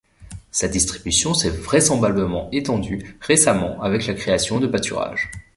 Sa distribution s’est vraisemblablement étendue récemment avec la création de pâturages.